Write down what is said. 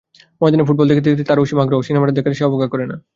ময়দানে ফুটবল দেখতে যেতে তার অসীম আগ্রহ, সিনেমা দেখাটাকে সে অবজ্ঞা করে না।